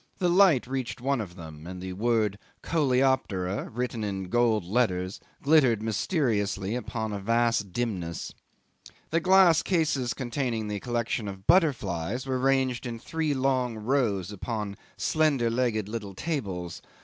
The light reached one of them, and the word Coleoptera written in gold letters glittered mysteriously upon a vast dimness. The glass cases containing the collection of butterflies were ranged in three long rows upon slender legged little tables.